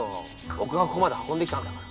僕がここまで運んできたんだから。